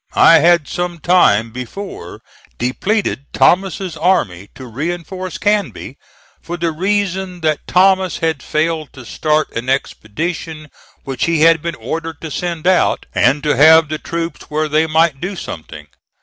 I had some time before depleted Thomas's army to reinforce Canby, for the reason that Thomas had failed to start an expedition which he had been ordered to send out, and to have the troops where they might do something.